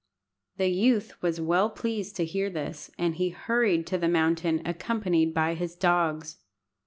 The youth was well pleased to hear this, and he hurried to the mountain accompanied by his dogs.